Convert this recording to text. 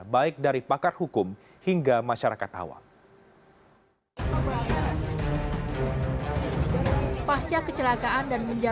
baik dari pakar hukum hingga masyarakat awam